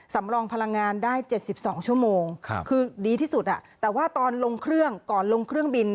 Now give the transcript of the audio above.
สำรองพลังงานได้๗๒ชั่วโมงคือดีที่สุดแต่ว่าตอนลงเครื่องก่อนลงเครื่องบิน